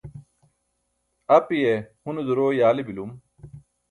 apiye hune duro e yaali bilum